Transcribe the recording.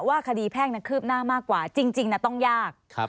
คดีแพ่งคืบหน้ามากกว่าจริงต้องยาก